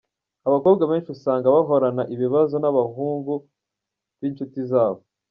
Abakobwa benshi usanga bahorana ibibazo n’abahungu b’inshuti zabo.